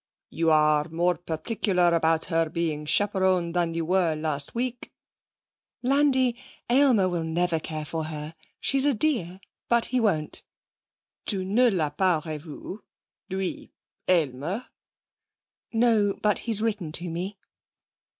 'You are more particular about her being chaperoned than you were last week.' 'Landi, Aylmer will never care for her. She's a dear, but he won't.' 'Tu ne l'a pas revu? Lui Aylmer?' 'No, but he's written to me.'